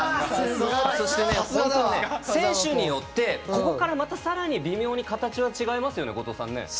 そして、選手によってここから、またさらに微妙に形が違いますよね後藤さん。